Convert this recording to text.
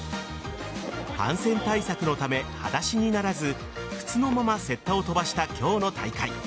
感染対策のため、はだしにならず靴のまま雪駄を飛ばした今日の大会。